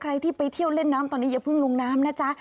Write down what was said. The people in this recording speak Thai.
ใครที่ไปเที่ยวเล่นน้ำตอนนี้อย่าเพิ่งลงน้ำนะจ๊ะ